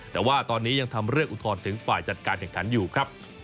แต่ว่าตอนนี้ยังทำเรื่องอุทธรณ์ถึงฝ่ายจัดการแข่งขันอยู่ครับ